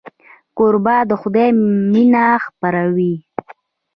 کوربه د خدای مینه خپروي.